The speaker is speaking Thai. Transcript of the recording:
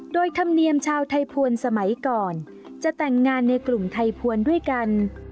โดยธรรมเนียมชาวไทยภวรสมัยก่อนจะแต่งงานในกลุ่มไทยพวนด้วยกัน